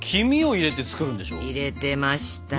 入れてましたね。